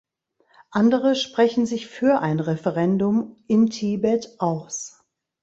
Andere sprechen sich für ein Referendum in Tibet aus.